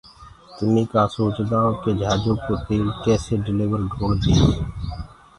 تميٚ ڪآ سوچدآئو ڪيِ جھآجو ڪو تيل ڪيسي ڊليور ڍوݪديس